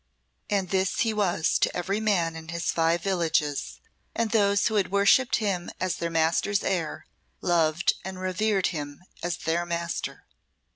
And this he was to every man in his five villages, and those who had worshipped him as their master's heir loved and revered him as their master.